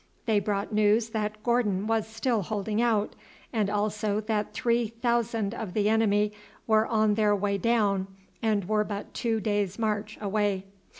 They brought news that Gordon was still holding out, and also that three thousand of the enemy were on their way down and were but two days' march away.